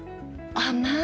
甘い。